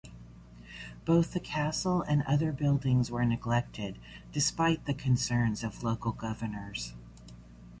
Both the castle and other buildings were neglected despite the concerns of local governors.